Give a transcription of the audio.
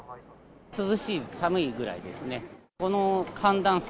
涼しい、寒いぐらいですね。